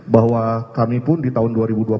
bahwa kami pun di tahun dua ribu dua puluh